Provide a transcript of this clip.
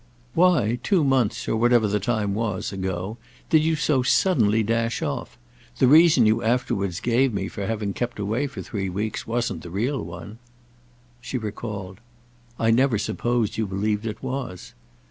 "Why, two months, or whatever the time was, ago, did you so suddenly dash off? The reason you afterwards gave me for having kept away three weeks wasn't the real one." She recalled. "I never supposed you believed it was.